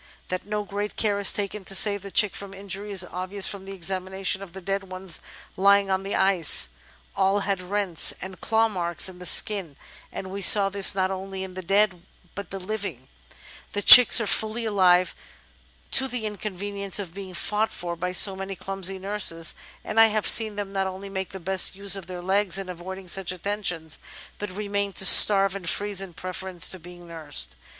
That no great care is taken to save the chick from injury is obvious from an examination of the dead ones lying on the ice. All had rents and claw marks in the skin, and we saw this not only In the dead ^H. G. Pontlng, Ths Grsat WhU0 South. 402 The Outline of Sdenoe but in the living. The chicks are fully alive to the inconvenience of being fought for by so many clumsy nurses, and I have seen them not only make the best use of their legs in avoiding such attentions, but remain to starve and freeze in preference to being nursed.